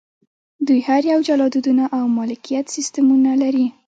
دوی هر یو جلا دودونه او مالکیت سیستمونه لري.